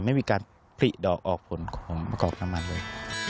ไม่มีการผลิดอกออกผลของประกอบน้ำมันเลย